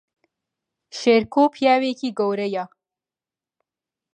شێرکۆ پیاوێکی گەورەیە